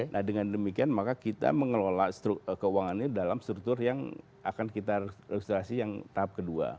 nah dengan demikian maka kita mengelola keuangannya dalam struktur yang akan kita registrasi yang tahap kedua